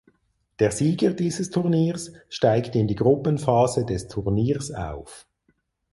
Der Sieger dieses Turniers steigt in die Gruppenphase des Turniers auf.